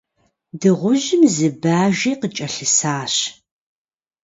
Дыгъужьым зы Бажи къыкӀэлъысащ.